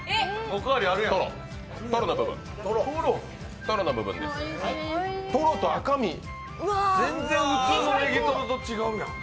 おかわりあるやん。